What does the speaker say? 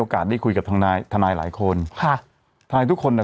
โอกาสได้คุยกับทางนายทางนายหลายคนค่ะทางนายทุกคนอ่ะ